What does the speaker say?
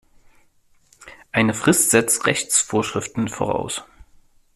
Eine Frist setzt Rechtsvorschriften voraus.